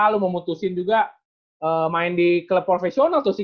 lu memutuskan juga main di klub profesional tuh sih